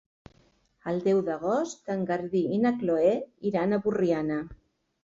El deu d'agost en Garbí i na Chloé iran a Borriana.